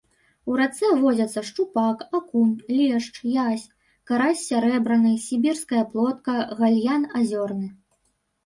У рацэ водзяцца шчупак, акунь, лешч, язь, карась сярэбраны, сібірская плотка, гальян азёрны.